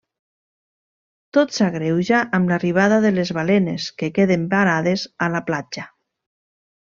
Tot s’agreuja, amb l'arribada de les balenes, que queden varades a la platja.